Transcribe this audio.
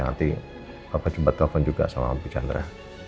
nanti bapak coba telepon juga sama bu chandra